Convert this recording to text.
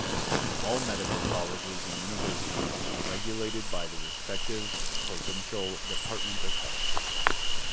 All medical colleges and universities are regulated by the respective provincial department of health.